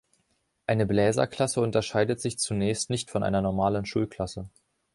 Eine Bläserklasse unterscheidet sich zunächst nicht von einer normalen Schulklasse.